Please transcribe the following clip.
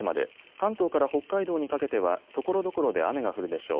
関東から北海道にかけてはところどころで雨が降るでしょう。